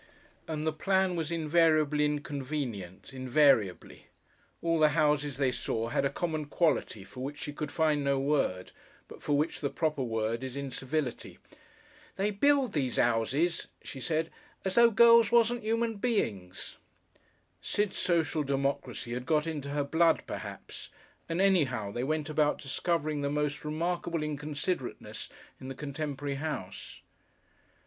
And the plan was invariably inconvenient, invariably. All the houses they saw had a common quality for which she could find no word, but for which the proper word is incivility. "They build these 'ouses," she said, "as though girls wasn't 'uman beings." Sid's social democracy had got into her blood perhaps, and anyhow they went about discovering the most remarkable inconsiderateness in the contemporary house.